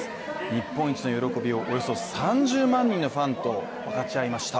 日本一の喜びをおよそ３０万人のファンと分かち合いました。